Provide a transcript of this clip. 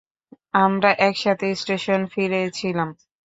আমরা একসাথে স্টেশনে ফিরেছিলাম।